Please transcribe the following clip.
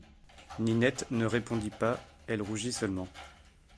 Ninette ne répondit pas, elle rougit seulement.